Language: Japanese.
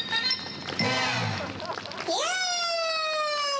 イエイ！